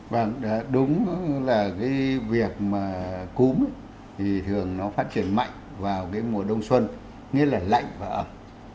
vâng đúng là việc cúm thì thường nó phát triển mạnh vào mùa đông xuân nghĩa là lạnh và ấm